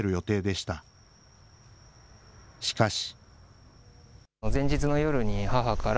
しかし。